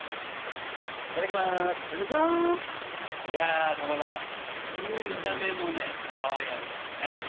いやかまど見た目もねかわいらしいですね。